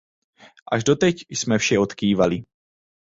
Až do teď jsme vše odkývali.